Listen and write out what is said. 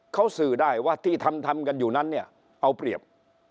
เขาสื่อได้ว่าที่ทำทำกันอยู่นั้นเนี่ยเอาเปรียบ